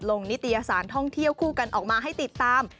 นิตยสารท่องเที่ยวคู่กันออกมาให้ติดตาม